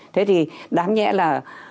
thế thì đáng nhẽ là